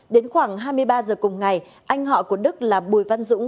đến khoảng hai mươi ba giờ cùng ngày anh họ của đức là bùi văn dũng